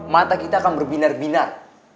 mata kita akan berbinar binar